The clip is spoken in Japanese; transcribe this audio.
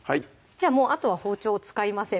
じゃあもうあとは包丁を使いません